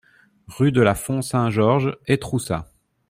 Rue de la Font Saint-Georges, Étroussat